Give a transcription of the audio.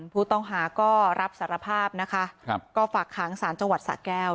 ผู้ต้องหาก็รับสารภาพนะคะก็ฝากขังสารจังหวัดสะแก้ว